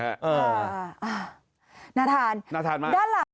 น่าทานด้านหลังน่าทานมาก